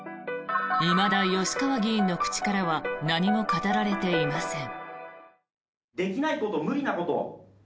いまだ吉川議員の口からは何も語られていません。